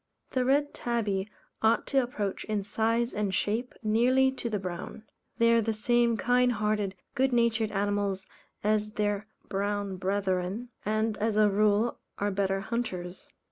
The Red Tabby ought to approach in size, and shape, nearly to the Brown. They are the same kind hearted, good natured animals as their brown brethren, and as a rule are better hunters.